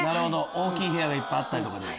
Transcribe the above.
大きい部屋がいっぱいあったりとか。